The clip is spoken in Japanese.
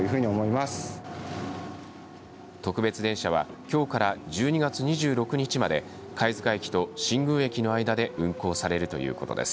特別電車はきょうから１２月２６日まで貝塚駅と新宮駅の間で運行されるということです。